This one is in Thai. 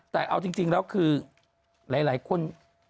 แต่เอาจริงแล้วคือหลายคน